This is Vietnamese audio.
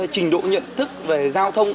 trình độ nhận thức về giao thông